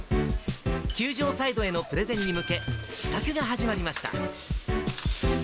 球場サイドへのプレゼンに向け、試作が始まりました。